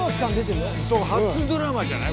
初ドラマじゃない？